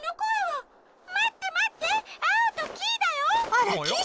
あらキイ